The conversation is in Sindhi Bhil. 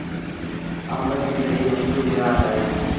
آݩب سنڌ ريٚ مشهور ميوآت اهي۔